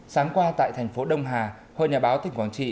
sáng qua tại thành phố đông hà hội nhà báo tỉnh quảng trị